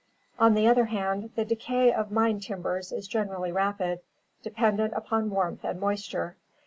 " On the other hand, the decay of mine timbers is generally rapid, dependent upon warmth and moisture.